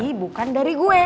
tapi bukan dari gue